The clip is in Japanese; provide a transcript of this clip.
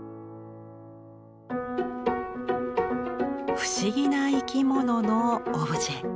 不思議な生き物のオブジェ。